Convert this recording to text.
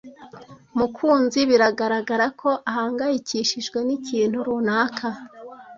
Mukunzi biragaragara ko ahangayikishijwe n'ikintu runaka.